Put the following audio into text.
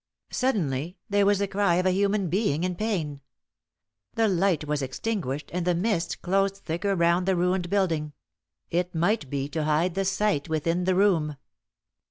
Suddenly there was the cry of a human being in pain. The light was extinguished, and the mists closed thicker round the ruined building; it might be to hide the sight within the room.